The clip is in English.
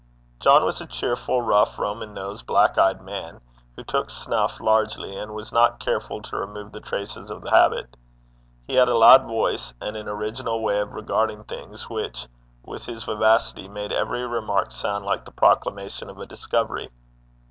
John was a cheerful, rough, Roman nosed, black eyed man, who took snuff largely, and was not careful to remove the traces of the habit. He had a loud voice, and an original way of regarding things, which, with his vivacity, made every remark sound like the proclamation of a discovery.